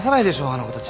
あの子たち。